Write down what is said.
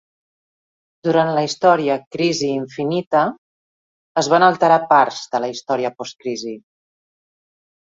Durant la història "Crisi infinita" es van alterar parts de la història post-crisi.